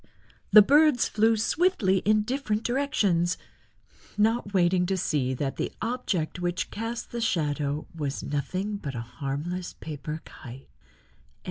the birds flew swiftly in different directions, not waiting to see that the object which cast the shadow was nothing but a harmless paper kite.